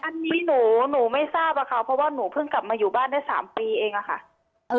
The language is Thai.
อันนี้หนูไม่ทราบอะค่ะเพราะว่าหนูเพิ่งกลับมาอยู่บ้านได้๓ปีเองอะค่ะ